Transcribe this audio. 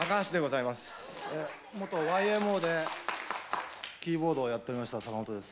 元ＹＭＯでキーボードをやっておりました坂本です。